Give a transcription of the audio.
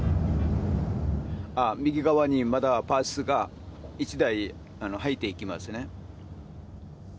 右側にまたバスが１台、入っていきますね。